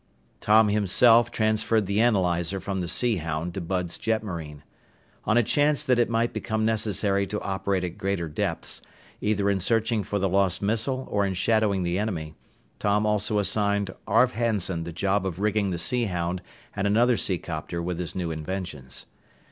Tom himself transferred the analyzer from the Sea Hound to Bud's jetmarine. On a chance that it might become necessary to operate at greater depths either in searching for the lost missile or in shadowing the enemy Tom also assigned Arv Hanson the job of rigging the Sea Hound and another seacopter with his new inventions.